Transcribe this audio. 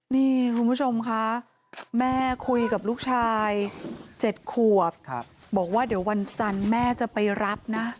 นี่คุณผู้ชมค่ะแม่คุยกับลูกชาย๗ขวบบอกว่าเดี๋ยววันจันทร์แม่จะไปรับนะ